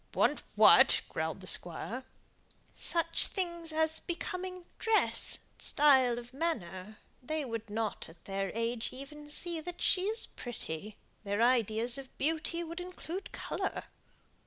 "Want what?" growled the Squire. "Such things as becoming dress, style of manner. They would not at their age even see that she is pretty; their ideas of beauty would include colour."